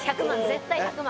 絶対１００万